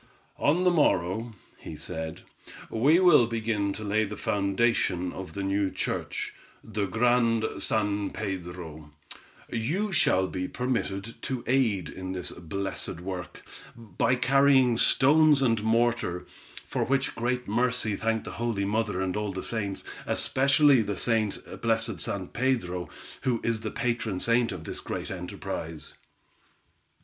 "On the morrow," he said, "we will begin to lay the foundation of the new church, the Grand San Pedro; you shall be permitted to aid in the blessed work, by carrying stones and mortar, for which great mercy thank the holy Mother and all the saints, especially the blessed San Pedro, who is the patron saint of this great enterprise."